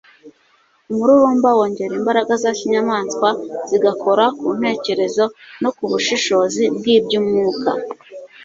umururumba wongera imbaraga za kinyamaswa, zigakora ku ntekerezo no ku bushobozi bw'iby'umwuka